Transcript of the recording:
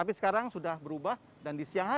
produk bensin gas lancian di mata hai